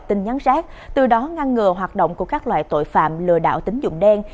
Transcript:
tin nhắn rác từ đó ngăn ngừa hoạt động của các loại tội phạm lừa đảo tính dụng đen